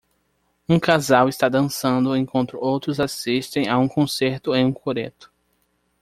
Um casal está dançando enquanto outros assistem a um concerto em um coreto.